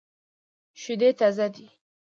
شودې تازه دي.